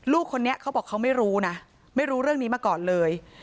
ลูกคนนี้เขาบอกเขาไม่รู้นะไม่รู้เรื่องนี้มาก่อนเลย